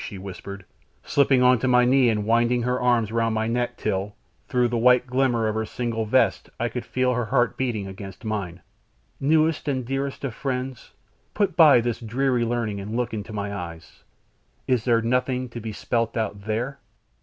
she whispered, slipping on to my knee and winding her arms round my neck till, through the white glimmer of her single vest, I could feel her heart beating against mine. "Newest and dearest of friends, put by this dreary learning and look in my eyes; is there nothing to be spelt out there?"